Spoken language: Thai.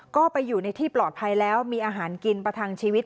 ก็ไปอยู่ในที่ปลอดภัยแล้วมีอาหารกินประทังชีวิต